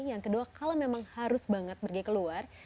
yang kedua kalau memang harus banget pergi keluar